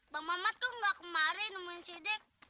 bang mamat kok enggak kemari nemuin siddiq